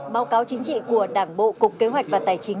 báo cáo chính trị của đảng bộ cục kế hoạch và tài chính